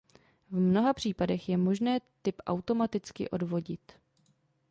V mnoha případech je možné typ automaticky odvodit.